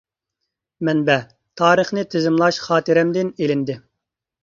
مەنبە : تارىخنى تىزىملاش خاتىرەمدىن ئېلىندى.